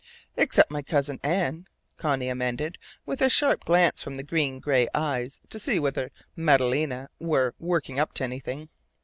"Except my cousin Anne," Connie amended, with a sharp glance from the green gray eyes to see whether "Madalena" were "working up to anything."